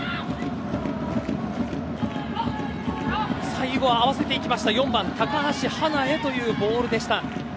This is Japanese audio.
最後、合わせていった４番、高橋はなへというボールでした。